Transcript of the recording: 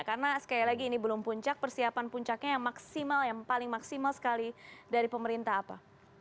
karena sekali lagi ini belum puncak persiapan puncaknya yang maksimal yang paling maksimal sekali dari pemerintah apa